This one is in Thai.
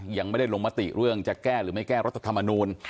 ยังไม่ได้ลงมติเรื่องจะแก้หรือไม่แก้รัฐธรรมนูล